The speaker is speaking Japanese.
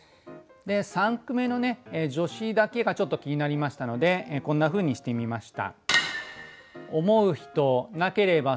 三句目の助詞だけがちょっと気になりましたのでこんなふうにしてみました。